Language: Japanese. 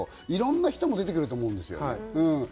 いろんな人も出てくると思うんですよ。